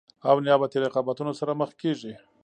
او نیابتي رقابتونو سره مخامخ کیږي.